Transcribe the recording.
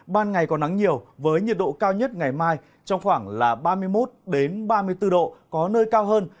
ban ngày có nắng nhiều với nhiệt độ cao nhất ngày mai trong khoảng ba mươi một ba mươi bốn độ có nơi cao hơn